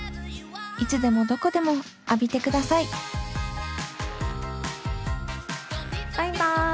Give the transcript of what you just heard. いつでもどこでも浴びてくださいバイバイ。